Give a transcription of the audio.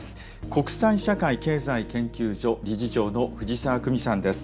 国際社会経済研究所理事長の藤沢久美さんです。